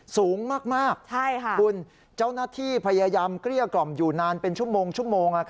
สูงมากคุณเจ้าหน้าที่พยายามเกลี้ยกล่อมอยู่นานเป็นชั่วโมง